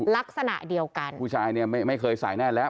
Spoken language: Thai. ลักษณะเดียวกันผู้ชายเนี่ยไม่ไม่เคยใส่แน่นแล้ว